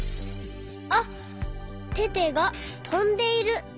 あっテテがとんでいる。